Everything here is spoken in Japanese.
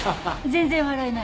全然笑えない。